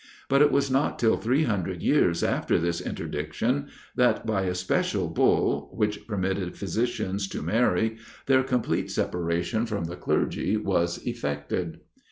But it was not till three hundred years after this interdiction, that by a special bull which permitted physicians to marry, their complete separation from the clergy was effected.